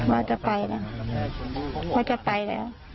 ว่าจะไปแล้วว่าจะไปแล้ว